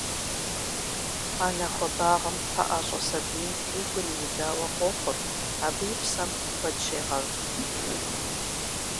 Анэ хуэбагъым пэӀэщӀэ сабийм и гур иудауэ къохъур, абы и псэм куэд щегъэв.